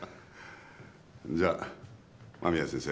じゃあ間宮先生。